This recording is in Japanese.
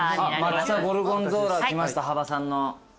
ＭＡＴＣＨＡゴルゴンゾーラ来ました羽場さんの。